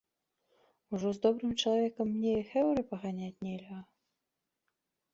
Ужо з добрым чалавекам мне і хэўры паганяць нельга?!